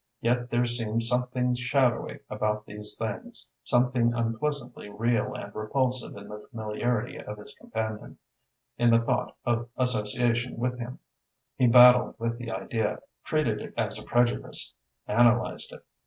Yet there seemed something shadowy about these things, something unpleasantly real and repulsive in the familiarity of his companion, in the thought of association with him, He battled with the idea, treated it as a prejudice, analysed it.